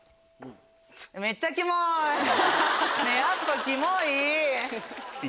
ねぇやっぱキモい！